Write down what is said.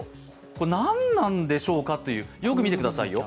これ何なんでしょうかという、よく見てくださいよ。